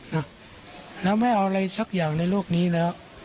นะแล้วไม่เอาอะไรสักอย่างในโลกนี้แล้ว